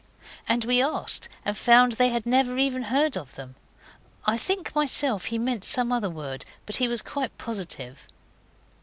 And we asked, and found they had never even heard of them. I think myself he meant some other word, but he was quite positive.